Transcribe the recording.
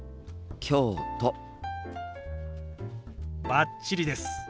バッチリです。